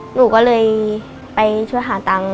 หนูก็เลยไปช่วยหาตังค์